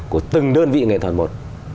của từng đơn vị nghệ thuật một